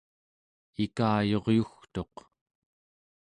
ikayuryugtuq